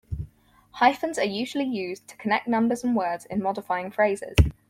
Hyphens are usually used to connect numbers and words in modifying phrases.